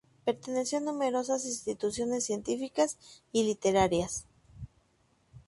Perteneció a numerosas instituciones científicas y literarias.